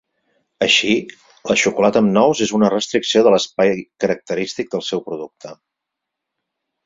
Així, la xocolata amb nous és una restricció de l'espai característic del seu producte.